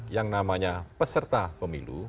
yang namanya peserta pemilu